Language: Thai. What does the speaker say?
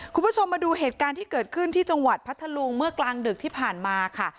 คุณผู้ชมมาดูเหตุการณ์ที่เกิดขึ้นที่จังหวัดพัทธลุงเมื่อกลางดึกที่ผ่านมาค่ะ